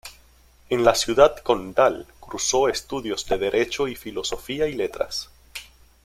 En la Ciudad Condal cursó estudios de Derecho y Filosofía y Letras.